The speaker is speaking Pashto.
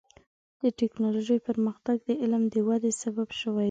د ټکنالوجۍ پرمختګ د علم د ودې سبب شوی دی.